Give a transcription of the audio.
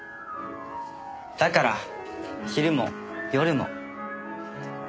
だから昼も夜も。